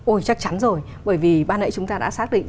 ôi chắc chắn rồi bởi vì ban nãy chúng ta đã xác định